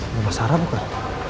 rumah sarah bukan